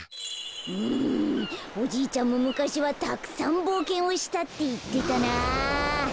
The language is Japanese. うんおじいちゃんもむかしはたくさんぼうけんをしたっていってたなあ。